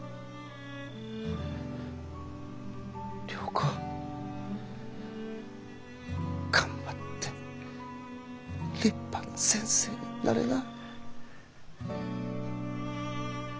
良子頑張って立派な先生になれな。